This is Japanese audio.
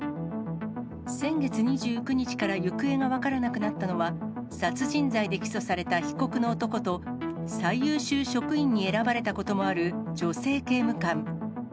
先月２９日から行方が分からなくなったのは、殺人罪で起訴された被告の男と、最優秀職員に選ばれたこともある女性刑務官。